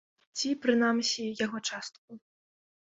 Ці, прынамсі, яго частку.